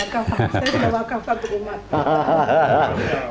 saya sudah wakafkan ke umat